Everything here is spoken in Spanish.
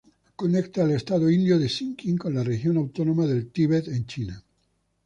Conecta el estado indio de Sikkim con la Región Autónoma del Tíbet en China.